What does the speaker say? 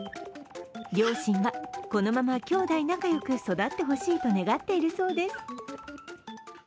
両親は、このまま兄弟仲良く育ってほしいと願っているそうです。